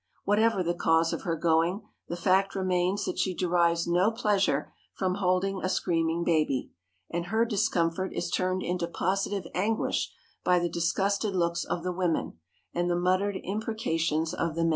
Whatever the cause of her going, the fact remains that she derives no pleasure from holding a screaming baby, and her discomfort is turned into positive anguish by the disgusted looks of the women, and the muttered imprecations of the men.